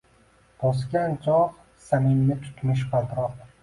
Bosgan chog’ Zaminni tutmish qaltiroq.